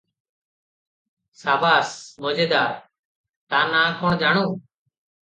ସାବାସ! ମଜେଦାର! ତା’ ନାମ କ’ଣ ଜାଣୁ?